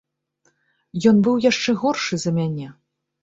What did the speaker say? Ён быў яшчэ горшы за мяне.